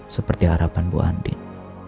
seperti harapan bu andien